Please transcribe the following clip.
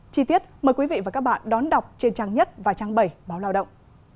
chi tiết mời quý vị và các bạn đón đọc trên trang nhất và trang bảy báo lao động